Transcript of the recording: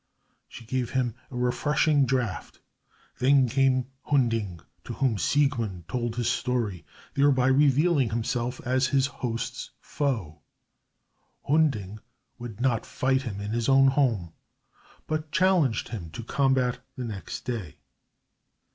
She gave him a refreshing draught. Then came Hunding, to whom Siegmund told his story, thereby revealing himself as his host's foe. Hunding would not fight him in his own home, but challenged him to combat the next day.